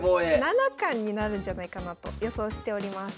七冠になるんじゃないかなと予想しております。